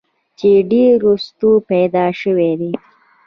چې ډېر وروستو پېدا شوی دی